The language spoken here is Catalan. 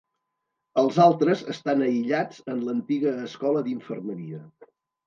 Els altres estan aïllats en l’antiga escola d’infermeria.